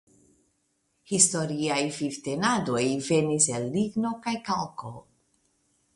Historiaj vivtenadoj venis el ligno kaj kalko.